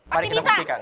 mari kita pembuktikan